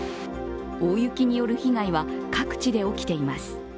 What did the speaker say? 大雪による被害は各地で起きています。